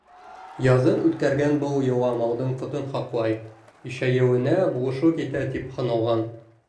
Яҙын үткәргән был йола малдың ҡотон һаҡлай, ишәйеүенә булышлыҡ итә тип һаналған.